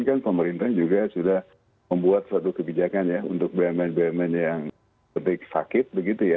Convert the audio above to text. kan pemerintah juga sudah membuat suatu kebijakan ya untuk bumn bumn yang sakit begitu ya